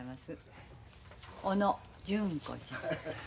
小野純子ちゃん。